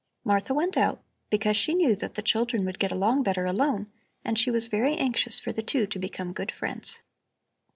Martha went out, because she knew that the children would get along better alone, and she was very anxious for the two to become good friends.